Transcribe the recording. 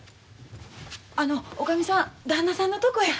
あの女将さん旦那さんのとこへ。